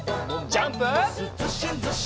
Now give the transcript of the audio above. ジャンプ！